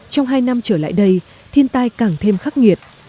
trong hai năm trở lại đây thiên tai càng thêm khắc nghiệt